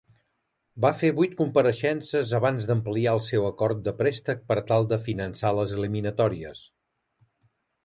Va fer vuit compareixences abans d'ampliar el seu acord de préstec per tal de finançar les eliminatòries.